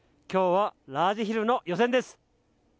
今日はラージヒルの予選です。